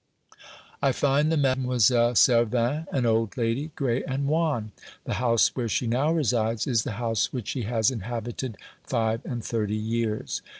I find the Mademoiselle Servin an old lady, grey and wan. The house where she now resides is the house which she has inhabited five and thirty years.